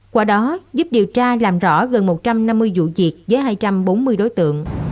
qua đó giúp điều tra làm rõ gần một trăm năm mươi vụ việc với hai trăm bốn mươi đối tượng